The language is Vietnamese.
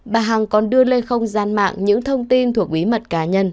bà hằng còn đưa lên không gian mạng những thông tin thuộc bí mật cá nhân